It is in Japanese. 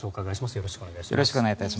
よろしくお願いします。